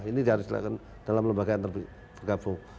ini harus dilakukan dalam lembaga yang tergabung